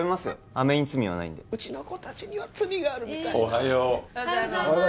アメに罪はないうちの子達には罪があるみたいおはようおはようございます